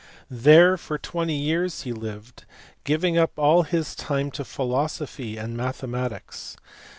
There for twenty years he lived, giving up all his time to philosophy and mathematics.